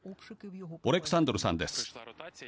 オレクサンドルさんです。